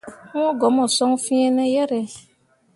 Wũũ go mo son fiine yere.